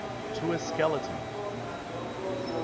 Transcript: TO A SKELETON. [The MS.